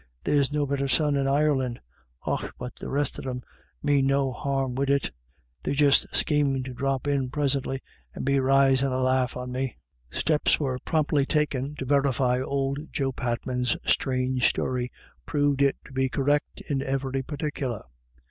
There's no better son in Ireland. Och, but the rest of them mane no harm wid it ; they're just schemin' to drop in presintly and be risin' a laugh on me." Steps which were promptly taken to verify old Joe Patman's strange story proved it to be correct in every particular.